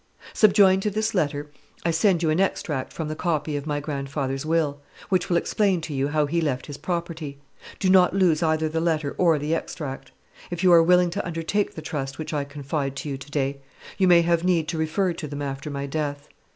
"Subjoined to this letter I send you an extract from the copy of my grandfather's will, which will explain to you how he left his property. Do not lose either the letter or the extract. If you are willing to undertake the trust which I confide to you to day, you may have need to refer to them after my death.